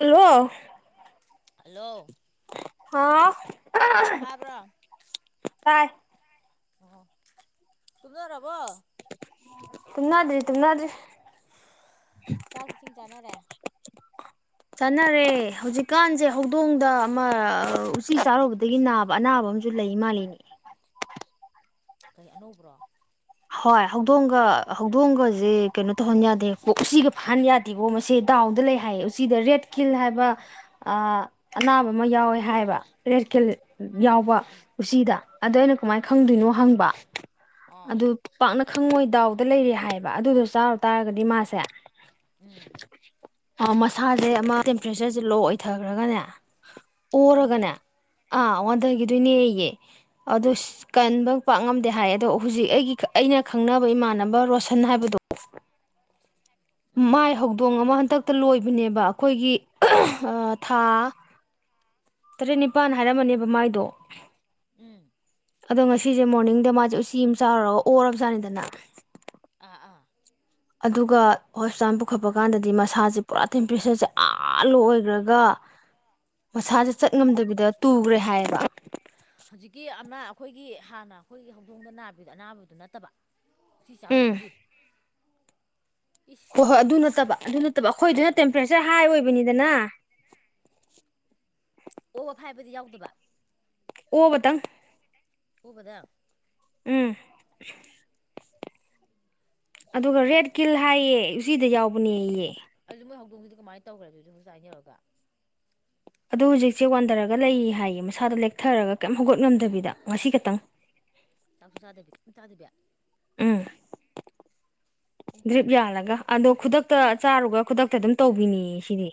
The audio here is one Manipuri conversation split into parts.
ꯍꯂꯣ꯫ ꯍꯜꯂꯣ꯫ ꯍꯥ ꯇꯥꯕ꯭ꯔꫭ꯫ ꯇꯥꯏ꯫ ꯑꯣ ꯇꯨꯝꯅꯔꯕꯣ꯫ ꯇꯨꯝꯅꯗ꯭ꯔꯤ-ꯇꯨꯝꯅꯗ꯭ꯔꯤ꯫ ꯆꯥꯛ ꯏꯁꯤꯡ ꯆꯥꯅꯔꯦ꯫ ꯆꯥꯅꯔꯦ ꯍꯧꯖꯤꯛꯀꯥꯟꯁꯦ ꯍꯧꯗꯣꯡꯗ ꯑꯃ ꯎꯆꯤ ꯆꯥꯔꯨꯕꯗꯒꯤ ꯅꯥꯕ ꯑꯅꯥꯕ ꯑꯃ ꯖꯨ ꯂꯩ ꯃꯥꯂꯤꯅꯤ꯫ ꯀꯔꯤ ꯑꯅꯧꯕ꯭ꯔꯣ꯫ ꯍꯣꯏ ꯍꯧꯗꯣꯡꯒ ꯍꯧꯗꯣꯡꯒꯁꯦ ꯀꯩꯅꯣ ꯇꯧꯍꯟ ꯌꯥꯗꯦ ꯎꯆꯒ ꯐꯥꯍꯟ ꯌꯥꯗꯦꯕꯣ ꯃꯁꯤ ꯗꯥ ꯗꯥꯎꯗ ꯂꯩ ꯍꯥꯏꯌꯦ ꯎꯆꯤꯗ ꯔꯦꯗ ꯀꯤꯜ ꯍꯥꯏꯕ ꯑꯅꯥꯕ ꯑꯥ ꯑꯃ ꯌꯥꯎꯋꯦ ꯍꯥꯏꯕ ꯔꯦꯗ ꯀꯤꯜ꯫ ꯌꯥꯎꯕ ꯎꯆꯤꯗ ꯑꯗꫭ ꯑꯩꯅ ꯀꯃꯥꯏꯅ ꯈꯪꯗꯣꯏꯅꯣ ꯍꯪꯕ꯫ ꯑꯥ ꯑꯗꯨ ꯄꯥꯛꯅ ꯈꯪꯉꯣꯏ ꯗꯥꯎꯗ ꯂꯩꯔꯦ ꯍꯥꯏꯌꯦꯕ ꯑꯗꯨꯗꯣ ꯆꯥꯔꯨ ꯇꯥꯔꯒꯗꯤ ꯃꯥꯁꯦ ꯎꯝ ꯑ ꯃꯁꯥꯁꯦ ꯑꯃ ꯇꯦꯝꯄꯔꯦꯆꯔꯁꯦ ꯂꯣ ꯑꯣꯏꯊꯈ꯭ꯔꯒꯅꯦ ꯍꯧꯗꯣꯡꯁꯦ ꯑꯣꯔꯒꯅꯦ ꯑꯥ ꯋꯥꯟꯗꯒꯤꯗꯣꯏꯅꯦ ꯌꯦ ꯑꯗꯣꯁ ꯀꯟꯕ ꯄꯥꯛ ꯉꯝꯗꯦ ꯍꯥꯏ ꯑꯗꯣ ꯍꯧꯖꯤꯛ ꯑꯩꯒꯤ ꯈ ꯑꯩꯅ ꯈꯪꯅꯕ ꯏꯃꯥꯟꯅꯕ ꯔꯣꯁꯟ ꯍꯥꯏꯕꯗꯣ ꯎꯝ ꯃꯥꯏ ꯍꯧꯗꯣꯡ ꯑꯃ ꯍꯟꯇꯛ ꯇ ꯂꯣꯏꯕꯅꯦꯕ ꯑꯩꯈꯣꯏꯒꯤ ꯑ ꯊꯥ ꯇꯔꯦꯠ ꯅꯤꯄꯥꯜ ꯍꯥꯏꯔꯝꯃꯅꯦꯕ ꯃꯥꯏꯗꯣ꯫ ꯎꯝ ꯑꯗꯣ ꯉꯁꯤꯁꯦ ꯃꯣꯔꯅꯤꯡꯗ ꯃꯥꯁꯦ ꯎꯆꯤ ꯑꯃ ꯆꯥꯎꯔꯒ ꯑꯣꯔꯔꯕꯖꯥꯠꯅꯤꯗꯅ꯫ ꯑꯥ ꯑꯥ ꯑꯗꯨꯒ ꯍꯣꯁꯄꯤꯇꯥꯜ ꯄꯨꯈꯠꯄ ꯀꯥꯟꯗꯗꯤ ꯃꯁꯥꯁꯦ ꯄꯨꯔꯥ ꯇꯦꯝꯄꯔꯦꯁꯔꯁꯦ ꯑꯥ ꯂꯨ ꯑꯣꯏꯈ꯭ꯔꯒ ꯑ ꯃꯁꯥꯁꯦ ꯆꯠ ꯉꯝꯗꯕꯤꯗ ꯇꯨꯈ꯭ꯔꯦ ꯍꯥꯏꯌꯦꯕ꯫ ꯍꯧꯖꯤꯛꯀꯤ ꯑꯃ ꯑꯩꯈꯣꯏꯒꯤ ꯍꯥꯟꯅ ꯑꯩꯈꯣꯏꯒꯤ ꯍꯧꯗꯣꯡꯗ ꯅꯥꯕꯤꯗ ꯑꯅꯥꯕꯗꯨ ꯅꯠꯇꯕ ꯑꯁꯤ ꯎꯝ ꯆꯥꯔꯨꯕꯒꯤ꯫ ꯍꯣꯏ ꯏꯁ ꯍꯣꯏ ꯑꯗꯨ ꯅꯠꯇꯕ꯫ ꯑꯗꯨ ꯅꯠꯇꯕ ꯑꯩꯈꯣꯏꯗꯨꯅ ꯇꯦꯝꯄꯔꯦꯆꯔ ꯍꯥꯏ ꯑꯣꯏꯕꯅꯤꯗꯅ꯫ ꯑꯣꯕꯥ ꯐꯥꯏꯕꯗꯤ ꯌꯥꯎꯗꯕ꯫ ꯑꯣꯕ ꯇꯪ꯫ ꯑꯥꯕꯗꯪ꯫ ꯎꯝ ꯑꯗꯨꯒ ꯔꯦꯠ ꯀꯤꯜ ꯍꯥꯏꯌꯦ ꯎꯆꯤꯗ ꯌꯥꯎꯕꯅꯦ ꯌꯦ꯫ ꯑꯗꯨ ꯃꯣꯏ ꯍꯧꯗꯣꯡꯒꯤꯗꯤ ꯀꯃꯥꯏ ꯇꯧꯒ꯭ꯔꯦ ꯑꯗꯨꯗꯤ ꯍꫭꯁꯄꯤꯇꯥꯟ ꯌꯧꯔꯒ꯫ ꯑꯗꯣ ꯍꯧꯖꯤꯛꯁꯦ ꯋꯥꯟꯊꯔꯒ ꯂꯩꯌꯦ ꯍꯥꯏꯌꯦ ꯃꯁꯥꯗꫭ ꯂꯦꯛꯊꯔꯒ ꯀꯩꯝ ꯍꯧꯒꯠꯉꯝꯗꯕꯤꯗ ꯉꯁꯤ ꯈꯇꯪ꯫ ꯆꯥꯛꯁꯨ ꯆꯥꯗꯕꯤ ꯀꯩꯝ ꯆꯥꯗꯕꯤ꯫ ꯎꯝ ꯗ꯭ꯔꯤꯞ ꯌꯥꯜꯂꯒ ꯑꯗꯣ ꯈꯨꯗꯛꯇ ꯆꯥꯔꯨꯒ ꯈꯨꯗꯛꯇ ꯑꯗꯨꯝ ꯇꯧꯕꯤꯅꯤꯌꯦ ꯁꯤꯗꯤ꯫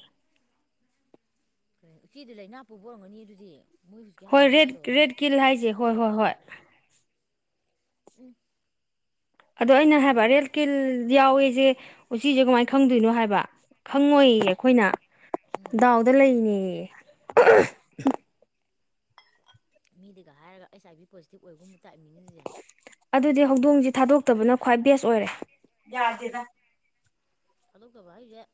ꯎꯆꯤꯗꯨ ꯂꯩꯅꯥ ꯄꯨꯕ ꯑꫭꯔꯝꯒꯅꯤ ꯑꯗꯨꯗꯤ꯫ ꯃꯣꯏ ꯍꯧꯖꯤꯛꯀꯤ ꯍꯥꯏ ꯍꯣꯏ ꯔꯦꯠ ꯂꯥꯏꯅꯥꯗꯣ ꯔꯦꯠ ꯀꯤꯜ ꯍꯥꯏꯁꯦ ꯍꯣꯏ ꯍꯣꯏ ꯍꯣꯏ꯫ ꯎꯝ ꯑꯗꯣ ꯑꯩꯅ ꯍꯥꯏꯕ ꯂꯣꯏꯔꯦ ꯔꯦꯗ ꯀꯤꯜ ꯌꯥꯎꯋꯁꯦ ꯎꯆꯤꯁꯦ ꯀꯃꯥꯏꯅ ꯈꯪꯗꯣꯏꯅꯣ ꯍꯥꯏꯕ ꯈꯪꯉꯣꯏꯌ ꯡꯦ ꯑꯈꯣꯏꯅ ꯎꯝ ꯗꯥꯎꯗ ꯂꯩꯅꯤꯌꯦ꯫ [unintelligible] ꯃꯤꯗꯨꯒ ꯍꯥꯏꯔꯒ ꯑꯩꯁ ꯑꯥꯏ ꯕꯤ ꯄꯣꯖꯤꯇꯤꯚ ꯑꯣꯏꯕ ꯖꯥꯠꯅꯤ ꯑꯗꯨꯗꯤ ꯍꯧꯗꯣꯡꯖꯦ ꯊꯥꯗꯣꯛꯇꯕꯅ ꯈ꯭ꯋꯥꯏ ꯕꯦꯁ ꯑꯣꯏꯔꯦ ꯌꯥꯗꯦꯗ ꯊꯥꯗꯣꯛꯇꯥꯕ ꯍꯥꯏꯖꯦ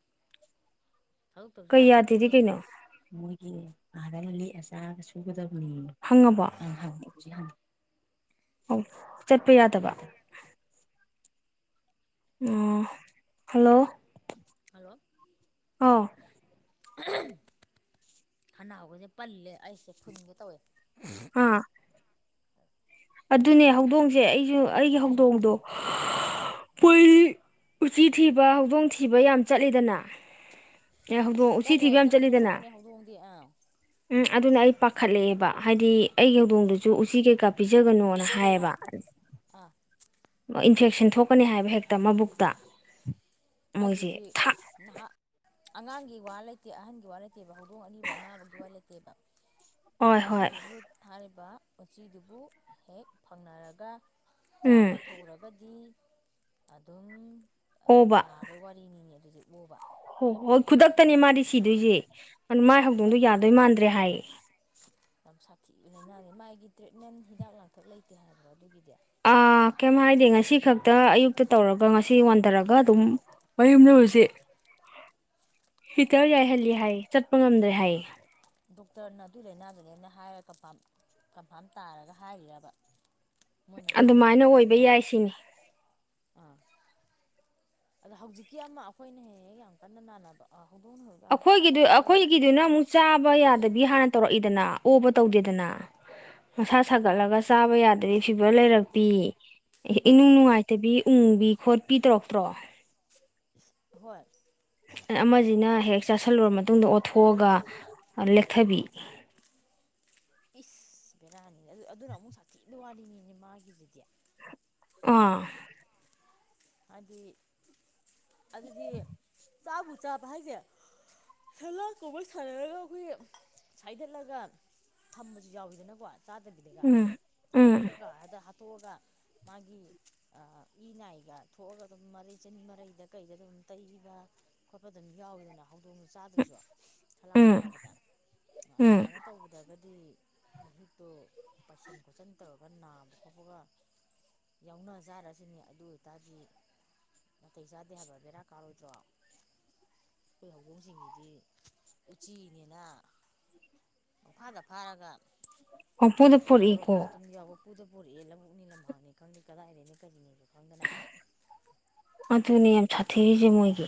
ꯀꯩ ꯌꯥꯗꯦꯗꯤ ꯀꯩꯅꯣ ꯑꯥꯗꯅ ꯂꯦꯛꯑ ꯆꯥꯔꯒ ꯁꯨꯒꯗꯕꯅꯦꯅ ꯐꯪꯉꯕꯣ ꯍꯪꯉꯦ ꯍꯧꯖꯤꯛ ꯍꯥꯟꯉꯦ ꯆꯠꯄ ꯌꯥꯗꯕ ꯎꯝ ꯍꯜꯂꯣ ꯍꯜꯂꯣ ꯑꯥꯎ ꯈꯅꯥꯎꯒꯁꯦ ꯄꯜꯂꯦ ꯑꯩꯁꯦ ꯐꯨꯟꯒꯦ ꯇꯧꯋꯦ ꯑꯥ ꯑꯗꯨꯅꯦ ꯍꯧꯗꯣꯡꯁꯦ ꯑꯩꯁꯨ ꯑꯩꯒꯤ ꯎꯝ ꯍꯧꯗꯣꯡꯗꯣ ꯎꯝ ꯎꯆꯤ ꯊꯤꯕ ꯍꯧꯗꯣꯡ ꯊꯤꯕ ꯌꯥꯝ ꯆꯠꯂꯤꯗꯅ ꯑꯦ ꯍꯧꯗꯣꯡ ꯎꯆꯤ ꯆꯠꯂꯦ ꯊꯤꯕ ꯌꯥꯝ ꯆꯠꯄꯅꯦ ꯆꯠꯂꯤꯗꯅ ꯆꯠꯄꯅꯦ ꯍꯧꯗꯣꯡꯗꯤ ꯑꯥ ꯎꯝ ꯑꯗꯨꯅ ꯑꯩ ꯄꯥꯈꯠꯂꯛꯑꯦꯕ ꯍꯥꯏꯗꯤ ꯑꯩꯒꯤ ꯍꯧꯗꯣꯡꯗꯨꯁꯨ ꯎꯆꯤ ꯀꯩꯀꯥ ꯄꯤꯖꯒꯅꯣꯅ ꯄꯤꯖꯒꯅꯣ ꯍꯥꯏꯌꯦꯕ ꯑꯥ ꯏꯟꯐꯦꯛꯁꯟ ꯊꯣꯛꯀꯅꯤ ꯍꯥꯏꯕ ꯍꯦꯛꯇ ꯃꯕꯨꯛꯇ ꯃꯣꯏꯁꯦ ꯑꯩꯗꯤ ꯊꯥꯛ ꯅꯍꯥꯛ ꯑꯉꯥꯡꯒꯤ ꯋꯥ ꯂꯩꯇꯦ ꯑꯍꯟꯒꯤ ꯋꯥ ꯂꯩꯇꯦꯕ ꯍꯧꯗꯣꯡ ꯑꯅꯤꯕ ꯑꯅꯥꯕꯒꯤ ꯋꯥ ꯂꯩꯇꯦꯕ ꯍꯣꯏ ꯍꯣꯏ ꯎꯆꯤꯗꯨꯕꯨ ꯍꯥꯏꯔꯤꯕ ꯎꯆꯤꯗꯨꯕꯨ ꯍꯦꯛ ꯐꯪꯅꯔꯒ ꯎꯝ ꯆꯥꯕ ꯊꯛꯎꯔꯒꯗꯤ ꯑꯗꯨꯝ ꯑꯣꯕ ꯃꯤꯅꯤ ꯑꯗꯨꯗꯤ ꯎꯕ ꯍꯣ ꯍꯣꯏ ꯈꯨꯗꯛꯇꯅꯦ ꯃꯥꯗꯤ ꯁꯤꯗꯣꯏꯁꯦ ꯑꯗꯨ ꯃꯥꯏ ꯍꯧꯗꯣꯡꯗꯣ ꯌꯥꯗꯣꯏ ꯃꯥꯟꯗ꯭ꯔꯦ ꯍꯥꯏ ꯌꯥꯝ ꯁꯥꯊꯤꯕꯅꯤꯅꯅꯦ ꯃꯥꯒꯤ ꯇ꯭ꯔꯤꯠꯃꯦꯟ ꯍꯤꯗꯥꯛ ꯂꯥꯡꯊꯛ ꯂꯩꯇꯦ ꯍꯥꯏꯕꯣ ꯑꯗꯨꯒꯤꯗꯤ ꯑꯥ ꯀꯩꯝ ꯍꯥꯏꯗꯦ ꯉꯁꯤ ꯈꯛꯇ ꯑꯌꯨꯛꯇ ꯇꯧꯔꯒ ꯉꯁꯤ ꯋꯥꯟꯊꯔꯒ ꯑꯗꯨꯝ ꯃꯌꯨꯝꯗꯔꯨꯁꯦ ꯍꯤꯗꯥꯛ ꯌꯥꯏ ꯍꯜꯂꯤ ꯍꯥꯏ ꯆꯠꯄ ꯉꯝꯗ꯭ꯔꯦ ꯍꯥꯏꯌꯦ ꯗꯣꯛꯇꯔꯅ ꯑꯗꯨꯏ ꯂꯥꯏꯅꯥꯗꯨꯅꯦꯅ ꯍꯥꯏꯔ ꯀꯟꯐꯥꯝ ꯀꯟꯐꯥꯝ ꯇꯥꯔꯒ ꯍꯥꯏꯈꯔꯕ ꯑꯗꯨꯃꯥꯏꯅ ꯑꯣꯏꯕ ꯌꯥꯏ ꯁꯤꯅꯤ ꯑꯥ ꯑꯗꯥ ꯍꯧꯖꯤꯛꯀꯤ ꯑꯃ ꯑꯩꯈꯣꯏꯅ ꯍꯦꯛ ꯍꯦꯛ ꯌꯥꯝ ꯀꯟꯅ ꯃꯥꯟꯅꯕ ꯑ ꯑꯩꯈꯣꯏꯒꯤꯗꯨ ꯑꯩꯈꯣꯏꯒꯤꯗꯨꯅ ꯑꯃꯨꯛ ꯆꯥꯕ ꯌꯥꯗꯕꯤ ꯍꯥꯟꯅ ꯇꯧꯔꯛꯏꯗꯅ ꯑꯣꯕ ꯇꯧꯗꯦꯗꯅ ꯃꯁꯥ ꯑꯥ ꯁꯥꯒꯠꯂꯒ ꯆꯥꯕ ꯌꯥꯗ꯭ꯔꯦ ꯐꯤꯚꯔ ꯂꯩꯔꯛꯄꯤ ꯑꯥ ꯏꯅꯨꯡ ꯅꯨꯡꯉꯥꯏꯇꯕꯤ ꯎꯪꯕꯤ ꯈꯣꯠꯄꯤ ꯇꯧꯔꯛꯇ꯭ꯔꯣ ꯍꯣꯏ ꯑꯃꯁꯤꯅ ꯍꯦꯛ ꯆꯥꯁꯤꯜꯂꯨꯔ ꯃꯇꯨꯡꯗ ꯑꯣꯠꯊꯣꯛꯑꯒ ꯂꯦꯛ ꯊꯕꯤ ꯏꯁ ꯕꯦꯔꯥꯅꯤꯅꯦ ꯑꯗꯨ ꯑꯗꯨꯅ ꯑꯃꯨꯛ ꯁꯥꯊꯤꯅ ꯋꯥꯂꯤꯅꯤꯅꯦ ꯃꯥꯒꯤꯗꯨꯗꯤ ꯑꯥ ꯍꯥꯏꯗꯤ ꯑꯗꯨꯗꯤ ꯆꯥꯕꯨ ꯆꯥꯕ ꯍꯥꯏꯁꯦ ꯁꯂꯥꯛ ꯀꯧꯕ ꯁꯥꯟꯅꯔꯒ ꯑꯩꯈꯣꯏ ꯁꯥꯏꯗꯠꯂꯒ ꯊꯝꯕꯁꯨ ꯌꯥꯎꯋꯤꯗꯅꯀꯣ ꯆꯥꯗꯕꯤꯗꯒ ꯎꯝ ꯎꯝ ꯀꯛꯀꯥ ꯀꯛꯀꯥ ꯍꯥꯏꯗ ꯍꯥꯠꯇꯣꯛꯑꯒ ꯃꯥꯒꯤ ꯏꯅꯥꯏꯒ ꯊꯣꯛꯑꯒ ꯑꯗꯨꯝ ꯃꯔꯩ ꯆꯤꯅꯤ ꯃꯔꯩꯗ ꯀꯩꯗ ꯑꯗꯨꯝ ꯇꯩꯕ ꯈꯣꯠꯄ ꯑꯗꯨꯝ ꯌꯥꯎꯋꯤꯗꯅ ꯍꯧꯗꯣꯡꯁꯨ ꯆꯥꯗ꯭ꯔꯁꯨ ꯁꯂꯥꯛ ꯎꯝ ꯁꯥꯟꯅꯕꯗ ꯎꯝ ꯑꯗꯨꯃꯥꯏꯅ ꯇꯧꯕꯗꯒꯗꯤ ꯃꯍꯨꯠꯇꯣ ꯄꯥꯏꯁꯤꯟ ꯈꯣꯠꯆꯟ ꯇꯧꯔꯒ ꯅꯥꯕ ꯈꯣꯠꯄꯒ ꯌꯥꯎꯅꯖꯥꯔꯁꯤꯅꯦ ꯑꯗꯨ ꯑꯣꯏꯇꯥꯔꯗꯤ ꯅꯥꯇꯩ ꯆꯥꯗꯦ ꯍꯥꯏꯕ ꯕꯦꯔꯥ ꯀꯥꯔꯣꯏꯗ꯭ꯔꯣ ꯑꯩꯈꯣꯏ ꯍꯧꯗꯣꯡꯁꯤꯡꯒꯤꯗꯤ ꯎꯆꯤꯅꯦꯅ ꯐꯪꯐꯥꯗ ꯐꯥꯔꯒ ꯄꯪꯄꯨꯗ ꯄꯨꯔꯛꯏꯀꯣ ꯄꯣꯔꯛꯄꯁꯨ ꯑꯗꯨꯝ ꯌꯥꯎꯕ ꯄꯨꯗ ꯄꯨꯔꯛꯑꯦ ꯂꯧꯕꯛ ꯂꯝꯍꯥꯡꯅꯤ ꯈꯪꯗꯦ ꯀꯗꯥꯏꯔꯩꯅꯦ ꯀꯔꯤꯅꯣ ꯑꯗꯨꯅꯤ ꯌꯥꯝ ꯁꯥ ꯊꯔꯤꯖꯦ ꯃꯣꯏꯒꯤ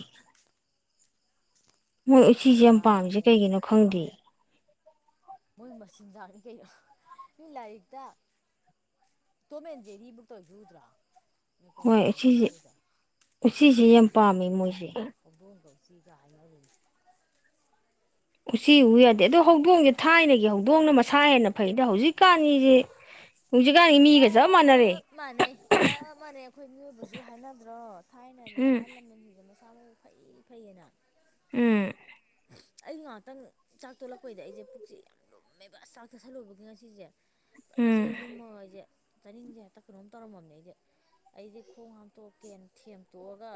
ꯃꯣꯏ ꯑꯗꯨ ꯎꯆꯤꯁꯦ ꯌꯥꯝ ꯅꯥꯕ ꯄꯥꯝꯃꯤꯁꯦ ꯑꯃꯨꯛ ꯀꯩꯒꯤꯅꯣ ꯈꯪꯗꯦ ꯃꯣꯏ ꯃꯆꯤꯟꯖꯥꯛꯅꯤ ꯀꯩꯅꯣ ꯅ ꯂꯥꯏꯔꯤꯛꯇ ꯇꯣꯃꯦꯖꯦꯔꯤꯛꯇ ꯌꯗ꯭ꯔꯥ ꯍꯣꯏ ꯀꯣꯝꯇꯩꯅꯣ ꯎꯆꯤꯁꯦ ꯌꯥꯎꯗ ꯎꯆꯤꯁꯦ ꯃꯣꯏꯗꯤ ꯌꯥꯝ ꯎꯊꯤ ꯄꯥꯝꯃꯦ ꯍꯧ ꯃꯣꯏꯁꯦ ꯍꯧꯕꯣꯡꯗ ꯁꯤꯒꯅ ꯂꯩꯅꯤ ꯎꯆꯤ ꯎ ꯌꯥꯗꯦ ꯑꯗꯣ ꯍꯧꯗꯣꯡꯁꯦ ꯊꯥꯏꯅꯒꯤ ꯍꯧꯗꯣꯡꯅ ꯃꯁꯥ ꯍꯦꯟꯅ ꯐꯩꯗ ꯍꯧꯖꯤꯛꯀꯥꯟꯒꯤꯁꯦ ꯍꯧꯖꯤꯛ ꯀꯥꯟꯒꯤ ꯃꯤꯒ ꯆꯞ ꯃꯥꯥꯟꯅꯔꯦ ꯆꯞ ꯃꯥꯟꯅꯩ ꯆꯞ ꯃꯥꯟꯅꯩ ꯑꯩꯈꯣꯏ ꯃꯤꯑꯣꯏꯕꯁꯨ ꯍꯥꯏꯅꯗ꯭ꯔꯣ ꯊꯥꯏꯅꯗꯤ ꯎꯝ ꯑꯍꯜ ꯂꯃꯟꯒ ꯁꯃꯣ ꯐꯩ ꯐꯩꯅꯅꯥ ꯎꯝ ꯑꯩ ꯉꯍꯥꯛꯇꯪ ꯆꯥꯛ ꯇꯣꯂꯛꯄꯩꯗ ꯑꯩꯁꯦ ꯄꯨꯛꯁꯦ ꯌꯥꯝ ꯂꯨꯝꯃꯦꯕ ꯑꯁ ꯆꯥꯛ ꯇꯠꯁꯜꯂꯨꯕꯒꯤ ꯉꯁꯤꯁꯦ ꯑꯁ ꯎꯝ ꯂꯨꯝꯃꯑꯣꯏꯁꯦ ꯆꯥꯅꯤꯡꯁꯦ ꯍꯦꯛꯇ ꯀꯩꯅꯣꯝ ꯇꯧꯔꯝꯃꯅꯦ ꯑꯩꯁꯦ ꯑꯩꯁꯦ ꯈꯣꯡ ꯍꯥꯝꯇꯣꯛꯀꯦꯅ ꯊꯦꯝꯇꯣꯛꯑꯒ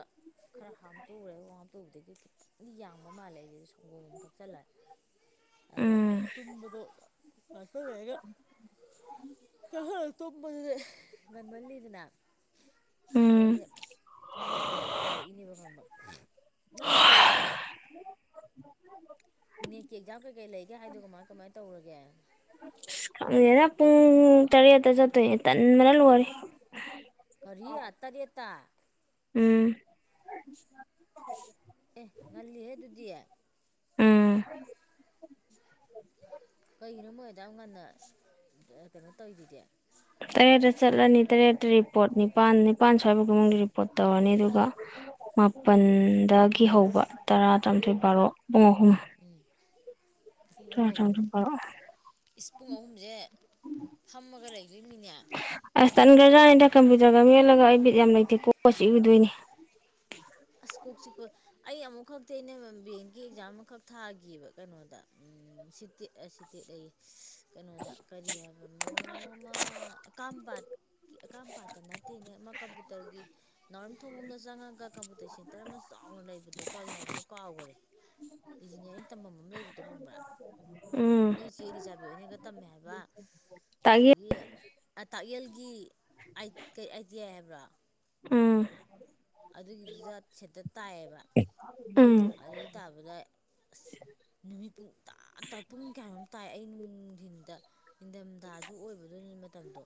ꯈꯔ ꯍꯥꯝꯇꯣꯛꯎꯨꯔꯦ ꯍꯥꯝꯇꯨꯕꯗꯒꯤ ꯈꯤꯇꯪ ꯌꯥꯡꯕ ꯃꯥꯜꯂꯦ ꯑꯩꯗꯤ ꯁꯪꯒꯣꯝ ꯑꯃꯝ ꯊꯛꯆꯜꯂꯑꯦ ꯑꯗꯣ ꯎꯝ ꯇꯨꯝꯝꯕꯗꯨꯣ ꯍꯥꯁꯕ ꯍꯦꯒ [unintelligible] ꯉꯟꯃꯜꯂꯤꯗꯅ ꯑꯗ ꯎꯝ ꯑꯩꯁꯦ ꯁꯨꯝ ꯐꯣꯟ ꯇꯧ ꯇꯧꯔꯛꯏꯅꯦꯕ ꯈꯪꯕ ꯅꯪꯗꯤ ꯍꯌꯦꯡ ꯅꯦꯛꯀꯤ ꯑꯦꯛꯖꯥꯝ ꯀꯩꯀꯩ ꯂꯩꯒꯦ ꯍꯥꯏꯗ ꯀꯃꯥꯏ ꯀꯃꯥꯏꯅ ꯇꯧꯔꯒꯦ ꯈꯪꯗꯦꯅ ꯄꯨꯡ ꯇꯔꯦꯠꯇ ꯆꯠꯇꯣꯏ ꯇꯟ ꯃꯅ ꯂꯔꯦ ꯀꯔꯤ ꯇꯔꯦꯠꯇꯥ ꯎꯝ ꯑꯦ ꯉꯥꯜꯂꯤ ꯍꯦ ꯑꯗꯨꯗꯤ ꯎꯝ ꯀꯒꯤꯅꯣ ꯃꯣꯏꯗꯥ ꯉꯟꯅ ꯀꯩꯅꯣ ꯇꯧꯔꯤꯔꯤꯗꯤ ꯇꯔꯦꯠꯇ ꯆꯠꯂꯅꯤ ꯇꯔꯦꯠꯇ ꯔꯤꯄꯣꯔꯠ ꯅꯤꯄꯥꯜ ꯅꯤꯄꯥꯥꯟ ꯁ꯭ꯋꯥꯏꯕꯒꯤ ꯃꯅꯨꯡꯗ ꯔꯤꯄꯣꯔꯠ ꯇꯧꯔꯅꯤ ꯑꯗꯨꯒ ꯎꯝ ꯃꯥꯄꯜꯗꯒꯤ ꯍꯧꯕ ꯇꯔꯥ ꯇꯔꯥꯊꯣꯏ ꯕꯥꯔꯣ ꯄꯨꯡ ꯑꯍꯨꯝ ꯄꯨꯡ ꯑꯍꯨꯝ [unintelligible] ꯏꯁ ꯄꯨꯡ ꯑꯍꯨꯝꯁꯦ ꯐꯥꯝꯃꯒ ꯂꯩꯗꯣꯏꯅꯤꯅꯦ ꯑꯁ ꯇꯟꯈ꯭ꯔꯖꯥꯠꯅꯤꯗ ꯀꯝꯄ꯭ꯌꯨꯇꯔꯒ ꯃꯜꯂꯒ ꯑꯩ ꯕꯤꯠ ꯌꯥꯝ ꯂꯩꯇꯦ ꯀꯣꯛꯁꯤ ꯏꯎꯗꯣꯏꯅꯦ ꯑꯁ ꯀꯣꯛ ꯆꯤꯛꯄ ꯑꯩ ꯑꯃꯨꯛ ꯈꯛꯇ ꯑꯩꯅ ꯕꯑꯦꯡꯀꯤ ꯑꯦꯛꯖꯥꯝ ꯑꯃꯈꯛ ꯊꯥꯒꯤꯕ ꯀꯩꯅꯣꯗ ꯎ ꯁꯤ ꯇꯦꯛꯑ ꯑꯁꯤ ꯇꯛꯂ ꯀꯩꯅꯣꯗ ꯀꯔꯤ ꯍꯥꯏꯕꯅꯣꯃ ꯀꯝꯄꯥꯠ ꯑꯀꯥꯝꯄꯥꯥꯠꯇ ꯅꯠꯇꯦꯅꯦ ꯑꯃ ꯀꯝꯄꯨꯇꯔꯒꯤ ꯅꯥꯎꯔꯝ ꯊꯣꯡꯝꯗ ꯆꯪꯉꯒꯝ ꯑꯇꯇꯩ ꯁꯦꯟꯇꯔ ꯑꯃ ꯆꯥꯎꯅ ꯂꯩꯕꯗꯣ ꯀꯔꯤ ꯍꯥꯏꯕꯅꯣ ꯀꯥꯎꯈꯔꯦ ꯏꯟꯖꯤꯅꯤꯌꯥꯔꯤꯡ ꯇꯝꯐꯝ ꯑꯃ ꯂꯩꯕꯗꯣ ꯈꯪꯕ꯭ꯔꯥ ꯎꯝ ꯅꯣꯏ ꯆꯦ ꯔꯤꯖꯥ ꯅꯒ ꯇꯝꯃꯦ ꯍꯥꯏꯕ ꯇꯥꯛꯌꯦ ꯑꯁꯤꯒꯤꯒꯤ ꯇꯥꯛꯌꯦꯜꯒꯤ ꯑꯥꯏꯇꯤꯌꯥ ꯍꯥꯏꯕ꯭ꯔꯥ ꯎꯝ ꯑꯗꯨꯒꯤꯗꯨꯗ ꯁꯦꯠꯇ ꯇꯥꯏꯌꯦꯕ ꯑꯝ ꯑꯗꯨꯒꯤ ꯇꯥꯕꯗ ꯅꯨꯃꯤꯠ ꯄꯨꯡ ꯇ ꯇꯥꯏ ꯄꯨꯡ ꯀꯌꯥꯃꯣꯝ ꯇꯥꯏ ꯑꯩ ꯅꯨꯡꯊꯤꯟꯗ ꯅꯤꯡꯊꯝꯊꯥꯁꯨ ꯑꯣꯏꯕꯗꯣꯏꯅꯤ ꯃꯇꯝꯗꯣ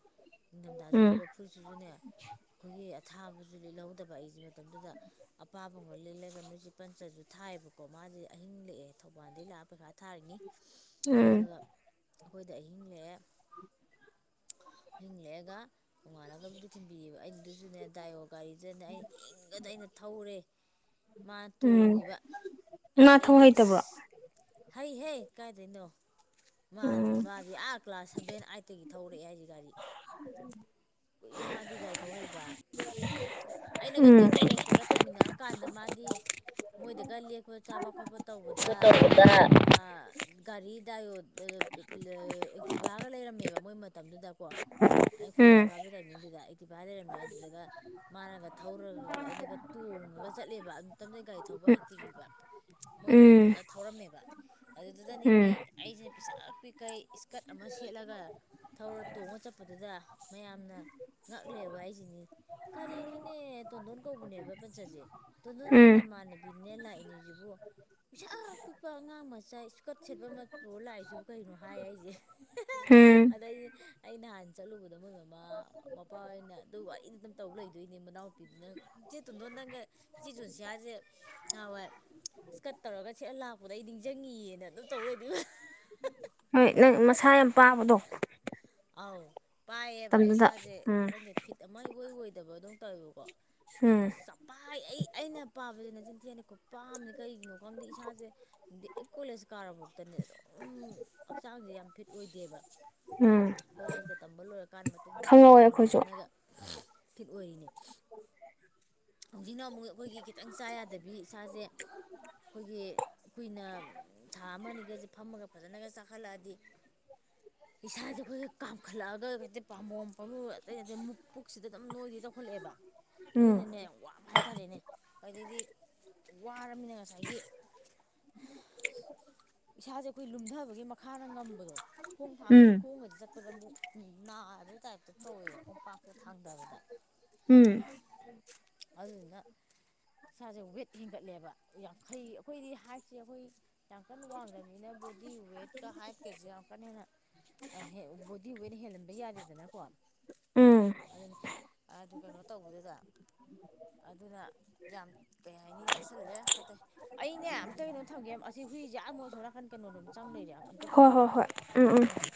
ꯅꯤꯡꯊꯝꯊꯥꯁꯨ ꯎꯝ ꯑꯣꯏꯕ ꯐꯨꯔꯤꯁꯤꯁꯨꯅꯦ ꯑꯩꯈꯣꯏꯒꯤ ꯊꯥꯕꯁꯨ ꯂꯤꯍꯧꯗꯕ ꯑꯩꯁꯦ ꯃꯇꯝꯗꯨꯗ ꯑꯄꯥꯕꯒ ꯂꯤꯜꯂꯒ ꯅꯣꯏꯁꯦ ꯄꯟꯆꯔꯗꯨꯗ ꯊꯥꯏꯑꯕꯀꯣ ꯃꯥꯗꯤ ꯑꯍꯤꯡ ꯂꯦꯛꯑꯦ ꯊꯧꯕꯥꯜꯗꯒꯤꯩ ꯂꯥꯛꯑ ꯄꯩꯈꯥ ꯊꯥꯔꯤꯅꯤ ꯎꯝ ꯑꯗꯨꯒ ꯑꯩꯈꯣꯏꯗ ꯑꯍꯤꯡ ꯂꯦꯛꯑꯦ [unintelligible] ꯇꯣꯡꯉꯥꯟꯅꯒꯕꯨꯗꯤ ꯊꯤꯟꯕꯤꯑꯕ ꯑꯗꯨꯁꯨꯅꯦ ꯗꯥꯏꯑꯣ ꯒꯥꯔꯤꯗꯅꯦ ꯑꯩꯅ ꯏꯪꯒꯗ ꯑꯩꯅ ꯊꯧꯔꯦ ꯃꯥ ꯎꯝ ꯇꯣꯡꯉꯤꯕ ꯉꯥ ꯊꯧ ꯑꯗꯨꯗꯤ ꯍꯩꯇꯕ꯭ꯔꯣ ꯑꯁ ꯍꯩ ꯍꯩ ꯀꯥꯏꯗꯩꯅꯣ ꯃꯥ ꯎꯝ ꯃꯥꯗꯤ ꯑꯥ ꯀ꯭ꯂꯥꯁ ꯁꯦꯚꯦꯟ ꯑꯥꯏꯠꯇꯒꯤ ꯊꯧꯔꯛꯑꯦ ꯍꯥꯏꯁꯦ ꯒꯥꯔꯤ ꯀꯨꯏꯔꯦ ꯃꯥꯗꯤ ꯒꯥꯥꯏ ꯊꯧ ꯍꯩꯕ ꯎꯝ ꯑꯩꯅꯒꯗꯤꯡ ꯀꯣꯂꯦꯖꯇꯒ ꯇꯃꯤꯟꯅ ꯀꯥꯟꯗ ꯃꯥꯗꯤ ꯃꯣꯏꯗꯒ ꯂꯦꯛꯄꯣ ꯆꯥꯕ ꯈꯣꯠꯄ ꯇꯧꯕꯗ [unintelligible] ꯒꯥꯔꯤ ꯗꯥ ꯀꯤꯚꯥꯒ ꯂꯩꯔꯝꯃꯦꯕ ꯃꯣꯏ ꯃꯇꯝꯗꯨꯗꯀꯣ ꯑꯩ ꯀꯣꯂꯦꯖ ꯎꯝ ꯀꯥꯕꯒꯤ ꯇꯥꯏꯃꯤꯡꯗꯨꯗ ꯑꯩꯗꯤꯤꯚꯥꯏ ꯂꯩꯔꯝꯃꯦ ꯑꯗꯨꯗꯒ ꯃꯥꯅꯒ ꯊꯧꯔꯒ ꯑꯩꯅꯒ ꯇꯣꯡꯉꯒ ꯆꯠꯂꯦꯕ ꯇꯝꯅ ꯒꯥꯔꯤ ꯊꯧꯕ ꯍꯩꯇ꯭ꯔꯤꯕ ꯃꯣꯏꯗꯤ ꯑꯗꯨꯝ ꯎꯝ ꯐꯖ ꯊꯧꯔꯝꯃꯦꯕ ꯑꯗꯨꯗꯨꯗꯅꯤ ꯎꯝ ꯃꯤ ꯑꯩꯁꯤꯅ ꯄꯤꯁꯛ ꯄꯤꯈꯩ ꯏꯁꯀꯔꯠ ꯑꯃ ꯁꯦꯠꯂꯒ ꯊꯧꯔ ꯇꯣꯡꯉ ꯆꯠꯄꯗꯨꯗ ꯃꯌꯥꯝꯅ ꯉꯛꯂꯦꯕ ꯑꯩꯁꯤꯅꯤ ꯀꯔꯤꯅꯣꯅꯦ ꯇꯣꯟꯗꯣꯟ ꯀꯧꯕꯅꯦꯕ ꯄꯟꯆꯠꯁꯦ ꯇꯣꯟꯗꯣꯟꯅ ꯎꯝ ꯅꯃꯥꯟꯅꯕꯤꯅꯦ ꯂꯥꯛꯏꯅꯦꯁꯤꯕꯨ ꯄꯩꯁꯥ ꯄꯤꯛꯄ ꯑꯉꯥꯡ ꯃꯆꯥ ꯏꯁꯀꯠ ꯁꯦꯠꯄꯨ ꯂꯥꯛꯏꯁꯨꯕꯨ ꯀꯩꯅꯣ ꯍꯥꯏꯌꯦ ꯑꯩꯁꯦ ꯎꯝ ꯑꯗꯩ ꯑꯩ ꯅꯍꯥꯟ ꯆꯠꯂꯨꯕꯗ ꯃꯣꯏ ꯃꯃꯥ ꯃꯄꯥꯣꯏ ꯑꯣꯏꯅ ꯑꯗꯨ ꯋꯥꯔꯤꯗ ꯑꯗꯨꯝ ꯇꯧꯕ ꯂꯩꯗꯣꯏꯅꯦ ꯃꯅꯥꯎꯄꯤꯗꯨ ꯅꯪ ꯏꯆꯦ ꯇꯨꯗꯣ ꯅꯪꯒ ꯏꯆꯦ ꯆꯨꯁꯤ ꯍꯥꯏꯁꯤ ꯑꯋꯥꯏ ꯏꯁꯀꯠ ꯇꯧꯔꯒ ꯁꯦꯠꯑ ꯂꯥꯛꯄꯗ ꯑꯩ ꯅꯤꯡꯁꯤꯡꯉꯤꯑꯅ ꯑꯗꯨꯝ ꯇꯧꯔꯣꯏꯗꯤ ꯍꯣꯏ ꯅꯪ ꯃꯁꯥ ꯌꯥꯝ ꯄꯥꯕꯗꯣ ꯑꯥꯎ ꯄꯥꯏꯌꯦꯕ ꯃꯇꯝꯗꯨꯗ ꯎꯝ ꯏꯁꯥꯁꯦꯪꯗ ꯐꯤꯠ ꯃꯥꯏ ꯑꯣꯏꯣꯏ ꯑꯣꯏꯗꯕ ꯑꯗꯨꯝ ꯇꯧꯋꯦꯕꯀꯣ ꯎꯝ ꯑꯁ ꯆꯐꯥꯏ ꯑꯩ ꯑꯩꯅ ꯄꯥꯕꯁꯤꯦ ꯅꯆꯤꯟꯊꯤꯅꯀꯣ ꯄꯥꯝꯅꯦ ꯀꯔꯤꯒꯤꯅꯣ ꯈꯣꯝꯗ ꯏꯁꯥꯁꯦ ꯍꯥꯏꯗꯤ ꯑꯩ ꯀꯣꯂꯦꯖ ꯀꯥꯔꯕꯐꯥꯎꯇꯅꯦ ꯑꯗꯨꯝ ꯍꯛꯆꯥꯡꯁꯦ ꯌꯥꯝ ꯐꯤꯠ ꯑꯣꯏꯗꯦꯕ ꯎꯝ ꯀꯣꯂꯦꯖꯀ ꯇꯝꯕ ꯂꯣꯏꯔꯀꯥꯟ ꯃꯇꯨꯡꯗ ꯈꯪꯍꯧꯋꯦ ꯑꯩꯈꯣꯏꯁꯨ ꯀꯥꯏꯗꯪꯗꯅꯦꯅꯒ ꯐꯤꯠ ꯑꯣꯏꯔꯤꯅꯦ ꯍꯧꯖꯤꯛ ꯑꯃꯨꯛ ꯑꯩꯈꯣꯏꯒꯤ ꯈꯤꯇꯪ ꯆꯥ ꯌꯥꯗꯕꯤ ꯏꯁꯥꯁꯦ ꯑꯩꯈꯣꯏꯒꯤ ꯀꯨꯏꯅ ꯊꯥ ꯑꯃꯅꯤ ꯐꯝꯃꯒ ꯐꯖꯅꯒ ꯆꯥꯛꯈꯠꯂꯛꯑꯗꯤ ꯏꯁꯥꯁꯦ ꯑꯩꯈꯣꯏ ꯀꯥꯝꯈꯠꯂꯛꯑꯒ ꯑꯗꯨ ꯑꯣꯏ ꯀꯇꯩ ꯄꯥꯝꯕꯣꯝ ꯄꯥꯔꯨ ꯑꯇꯩ ꯑꯇꯩ ꯃꯨꯛ ꯄꯨꯛꯁꯤꯗ ꯑꯗꯨꯝ ꯅꯣꯏꯗꯤ ꯇꯧꯈꯠꯂꯛꯑꯦꯕ ꯎꯝ ꯑꯗꯨꯅꯅꯦ ꯋꯥꯕ ꯍꯥꯏꯇꯥꯔꯦꯅꯦ ꯑꯗꯩꯗꯤ ꯋꯥꯔꯃꯤꯅ ꯉꯁꯥꯏꯒꯤ ꯏꯁꯥꯁꯦ ꯑꯩꯈꯣꯏ ꯂꯨꯝꯊꯕꯒꯤ ꯈꯥꯔ ꯉꯝꯕꯗꯣ ꯈꯣꯡ ꯎꯝ ꯊꯥꯡꯝꯕꯗ ꯈꯣꯡꯒꯗꯤ ꯆꯠꯄꯗ ꯑꯃꯨꯛ ꯅꯥꯕꯩ ꯇꯥꯏꯞꯇ ꯇꯧꯋꯦꯕ ꯈꯣꯡ ꯄꯥꯡ ꯊꯥꯡꯗꯕꯗ ꯎꯝ ꯑꯗꯨꯗꯨꯅ ꯏꯁꯥꯁꯦ ꯋꯦꯠ ꯍꯦꯟꯒꯠꯂꯦꯕ ꯌꯥꯡꯈꯩ ꯑꯩꯈꯣꯏꯗꯤ ꯁꯤ ꯑꯩꯈꯣꯏ ꯌꯥꯝ ꯀꯟꯅ ꯋꯥꯡꯗꯕꯅꯤꯅ ꯕꯣꯗꯤ ꯋꯦꯠꯀ ꯍꯥꯏꯠꯀꯁꯦ ꯌꯥꯝ ꯀꯟꯅ ꯍꯦꯟꯅ ꯕꯣꯗꯤ ꯋꯦꯠ ꯍꯦꯜꯍꯟꯕ ꯌꯥꯗꯦꯗꯅꯀꯣ ꯎꯝ ꯑꯗꯨꯅꯤ ꯑꯗꯨ ꯀꯩꯅꯣ ꯇꯧꯕꯗꯨꯗ ꯑꯗꯨꯅ ꯌꯥꯝ ꯀꯩ ꯍꯥꯏꯅꯤ ꯆꯥꯁꯤꯜꯂꯦ ꯐꯠꯇꯦ ꯑꯩꯅꯦ ꯑꯝꯇꯩꯅꯣ ꯊꯝꯒꯦ ꯍꯨꯏꯁꯦ ꯑꯣꯏ ꯁꯣꯛꯔꯛꯀꯟ ꯀꯩꯅꯣꯗꯣꯝ ꯆꯪ ꯂꯩꯔꯦ ꯑꯝꯇ ꯍꯣꯏ ꯍꯣꯏ ꯀꯧꯊꯣꯛꯀꯦ ꯍꯣꯏ ꯎꯝ